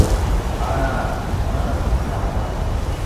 Ана-а!.. – маныт, саслат.